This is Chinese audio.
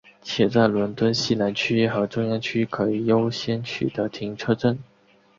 且在伦敦西南区和中央区可以优先取得停车证。